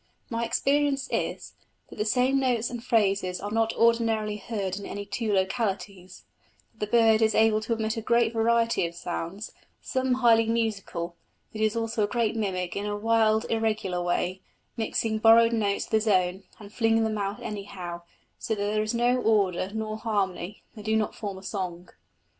My experience is, that the same notes and phrases are not ordinarily heard in any two localities; that the bird is able to emit a great variety of sounds some highly musical; that he is also a great mimic in a wild irregular way, mixing borrowed notes with his own, and flinging them out anyhow, so that there is no order nor harmony, and they do not form a song.